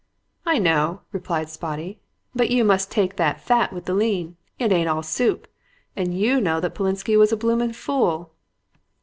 "'I know,' replied Spotty, 'but you must take the fat with the lean. It ain't all soup. And you know that Polensky was a bloomin' fool.'